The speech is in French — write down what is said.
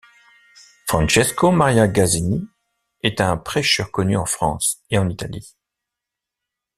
Francesco Maria Casini est un prêcheur connu en France et en Italie.